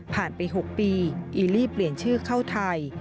ไป๖ปีอีลีเปลี่ยนชื่อเข้าไทย